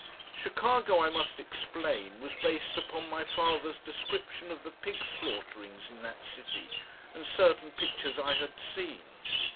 Chicago, I must explain, was based upon my father's description of the pig slaughterings in that city and certain pictures I had seen.